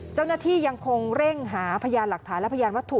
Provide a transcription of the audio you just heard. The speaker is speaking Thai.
เจ้าหน้าที่ยังคงเร่งหาพยานหลักฐานและพยานวัตถุ